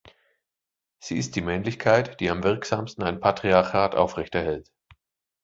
Sie ist die Männlichkeit, die am wirksamsten ein Patriarchat aufrechterhält.